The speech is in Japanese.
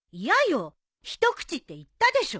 一口って言ったでしょ。